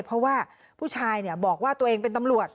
เพราะว่าผู้ชายบอกว่าตัวเองเป็นตำรวจ